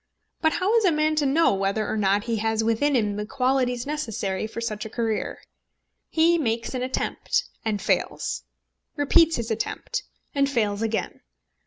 But how is a man to know whether or not he has within him the qualities necessary for such a career? He makes an attempt, and fails; repeats his attempt, and fails again!